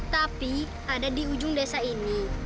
tapi ada di ujung desa ini